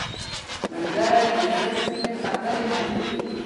ملګری د زړه سپینې خبرې مني